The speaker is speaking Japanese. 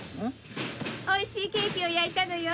おいしいケーキを焼いたのよ。